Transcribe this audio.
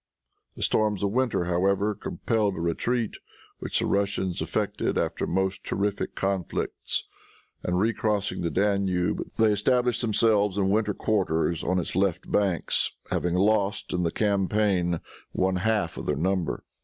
The storms of winter, however, compelled a retreat, which the Russians effected after most terrific conflicts, and, recrossing the Danube, they established themselves in winter quarters on its left banks, having lost in the campaign one half of their number.